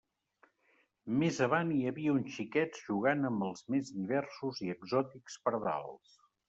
Més avant hi havia uns xiquets jugant amb els més diversos i exòtics pardals.